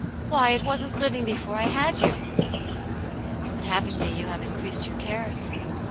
" Why, it wasn't living before I had you !'*" But having me you have increased your cares.